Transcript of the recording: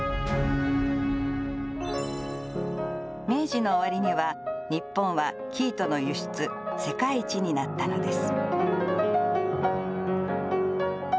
明治の終わりには、日本は生糸の輸出世界一になったのです。